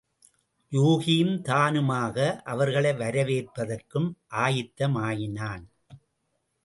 யூகியும் தானுமாக அவர்களை வரவேற்பதற்கும் ஆயத்தமாயினான்.